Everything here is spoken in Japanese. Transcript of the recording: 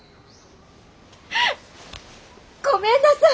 ごめんなさい！